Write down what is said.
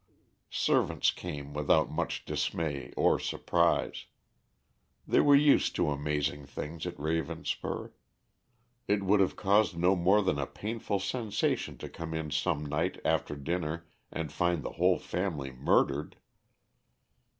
Servants came without much dismay or surprise. They were used to amazing things at Ravenspur. It would have caused no more than a painful sensation to come in some night after dinner and find the whole family murdered.